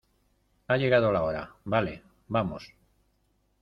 ha llegado la hora. vale, vamos .